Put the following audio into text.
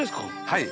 はい。